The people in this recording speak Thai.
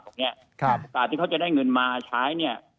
ประกอบที่เค้าจะได้เงินมาใช้